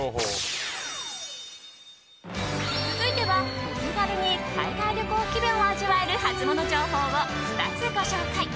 続いてはお手軽に海外旅行気分を味わえるハツモノ情報を２つご紹介。